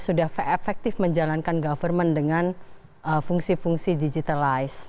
sudah efektif menjalankan government dengan fungsi fungsi digitalized